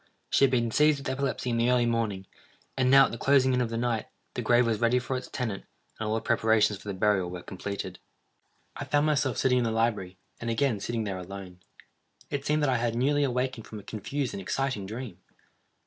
She had been seized with epilepsy in the early morning, and now, at the closing in of the night, the grave was ready for its tenant, and all the preparations for the burial were completed. I found myself sitting in the library, and again sitting there alone. It seemed that I had newly awakened from a confused and exciting dream.